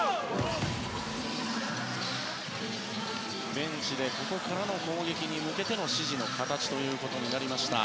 ベンチではここからの攻撃に向けての指示の形となりました。